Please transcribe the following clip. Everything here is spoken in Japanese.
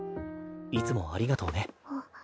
いつもありがとうね。